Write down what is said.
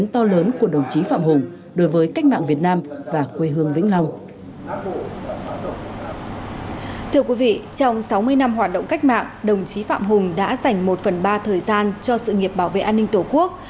sau sáu mươi năm hoạt động cách mạng đồng chí phạm hùng đã dành một phần ba thời gian cho sự nghiệp bảo vệ an ninh tổ quốc